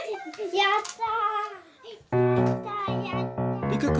やった！